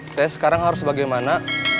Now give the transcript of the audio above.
saya sekarang harus bagaimana